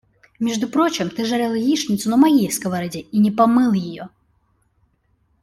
Между прочим, ты жарил яичницу на моей сковороде и не помыл ее.